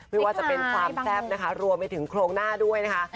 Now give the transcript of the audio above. ไม่ว่าจะเป็นความแซ่บนะคะรวมไปถึงโครงหน้าด้วยนะคะ